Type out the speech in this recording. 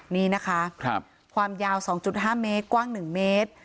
นี่นะคะความยาว๒๕เมตรกว้าง๑เมตร